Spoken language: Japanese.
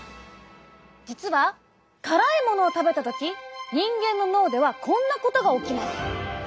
実は辛いものを食べた時人間の脳ではこんなことが起きます。